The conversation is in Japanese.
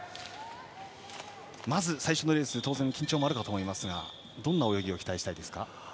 最初のレース当然緊張もあるかと思いますがどんな泳ぎ期待したいですか。